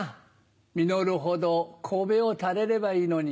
実るほど頭を垂れればいいのに。